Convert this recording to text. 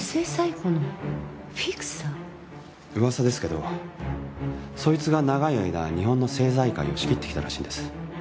うわさですけどソイツが長い間日本の政財界を仕切ってきたらしいんです。